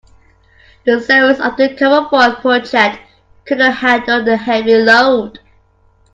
The servers of the common voice project couldn't handle the heavy load.